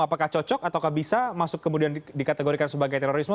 apakah cocok atau bisa masuk kemudian dikategorikan sebagai terorisme